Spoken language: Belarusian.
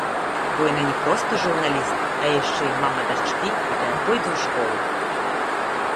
Бо яна не проста журналіст, а яшчэ і мама дачкі, якая пойдзе ў школу.